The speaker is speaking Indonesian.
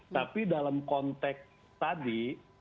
tapi dalam konteks tadi